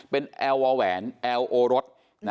เป็นแอลวาแหวนแอลโอรส